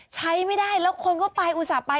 ใช้ไม่ได้แล้วคนก็ไปอุตส่าห์ไป